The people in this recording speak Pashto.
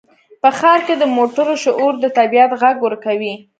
په ښار کې د موټرو شور د طبیعت غږ ورکوي.